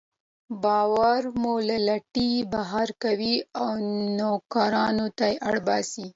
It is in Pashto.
باور مو له لټۍ بهر کوي او نويو کړنو ته اړ باسي.